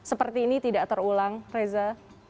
seperti ini tidak terulang reza